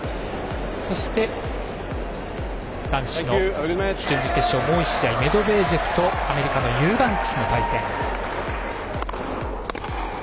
そして、男子の準々決勝もう１試合、メドベージェフとアメリカのユーバンクスの対戦。